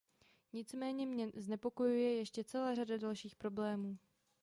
Nicméně mě znepokojuje ještě celá řada dalších problémů.